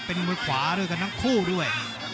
เป็นมือขวาด้วยกันทั้งคู่ด้วย